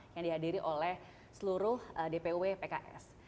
yang dihadiri oleh seluruh dpw pks